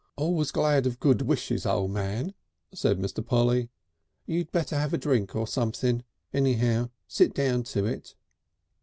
"Always glad of good wishes, O' Man," said Mr. Polly. "You'd better have a drink of something. Anyhow, sit down to it."